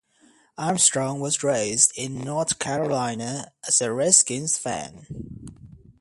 Armstrong was raised in North Carolina as a Redskins fan.